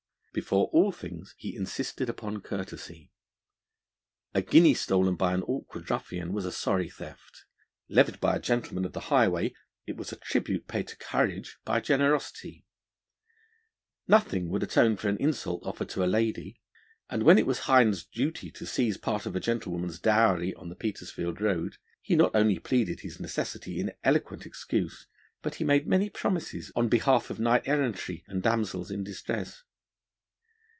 Before all things he insisted upon courtesy; a guinea stolen by an awkward ruffian was a sorry theft; levied by a gentleman of the highway, it was a tribute paid to courage by generosity. Nothing would atone for an insult offered to a lady; and when it was Hind's duty to seize part of a gentlewoman's dowry on the Petersfield road, he not only pleaded his necessity in eloquent excuse, but he made many promises on behalf of knight errantry and damsels in distress.